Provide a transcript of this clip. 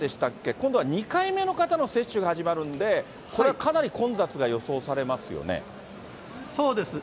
今度は２回目の方の接種が始まるんで、これはかなり混雑が予想されますよね？